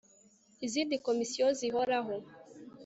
izindi komisiyo zihoraho